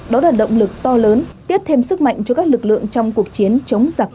đó là động lực to lớn tiếp thêm sức mạnh cho các lực lượng trong cuộc chiến chống giặc covid một mươi chín